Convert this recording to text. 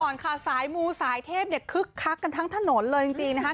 ก่อนค่ะสายมูสายเทพเนี่ยคึกคักกันทั้งถนนเลยจริงนะคะ